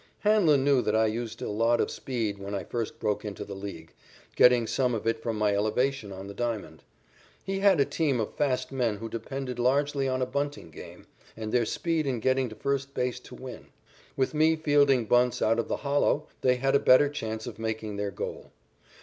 Hanlon knew that I used a lot of speed when I first broke into the League, getting some of it from my elevation on the diamond. He had a team of fast men who depended largely on a bunting game and their speed in getting to first base to win. With me fielding bunts out of the hollow, they had a better chance of making their goal.